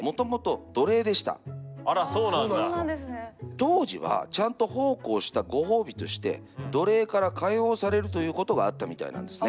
当時はちゃんと奉公したご褒美として奴隷から解放されるということがあったみたいなんですね。